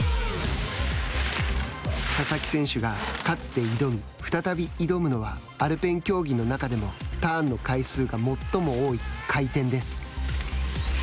佐々木選手がかつて挑み再び挑むのはアルペン競技の中でもターンの回数が最も多い回転です。